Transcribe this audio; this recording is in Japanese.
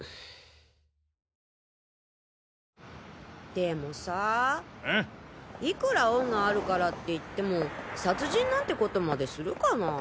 でもさぁいくら恩があるからっていっても殺人なんてことまでするかなぁ。